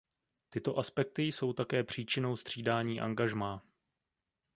Tyto aspekty jsou také příčinou střídání angažmá.